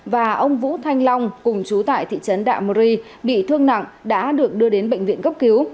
và ông vũ thanh long cùng chú tại thị trấn đạ mơ ri bị thương nặng đã được đưa đến bệnh viện cấp cứu